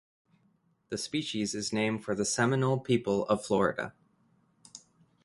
The species is named for the Seminole people of Florida.